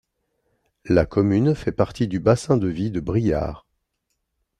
La commune fait partie du bassin de vie de Briare.